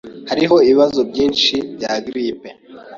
Hariho ibibazo byinshi bya grippe.